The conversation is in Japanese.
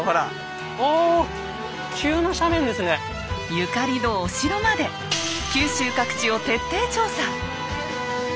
ゆかりのお城まで九州各地を徹底調査！